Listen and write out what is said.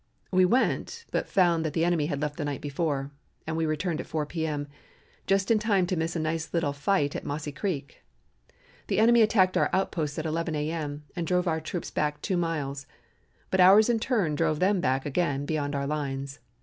We went, but found the enemy had left the night before, and we returned at 4 P.M. just in time to miss a nice little fight at Mossy Creek. The enemy attacked our outposts at 11 A.M. and drove our troops back two miles, but ours in turn drove them back again beyond our lines.